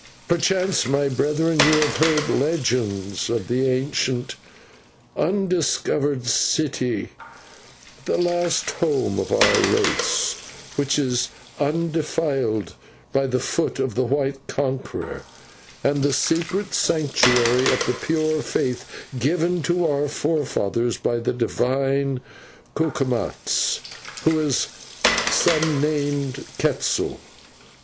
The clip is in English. Perchance, my brethren, you have heard legends of that ancient undiscovered city, the last home of our race which is undefiled by the foot of the white conqueror, and the secret sanctuary of the pure faith given to our forefathers by the divine Cucumatz, who is of some named Quetzal."